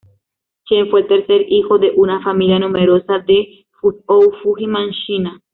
Chen fue el tercer hijo de una familia numerosa de Fuzhou, Fujian, China.